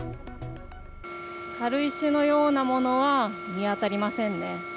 軽石のようなものは見当たりませんね。